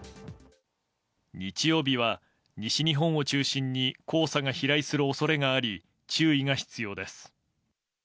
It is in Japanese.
日曜日は西日本を中心に黄砂が飛来する恐れがあり注意が必要です。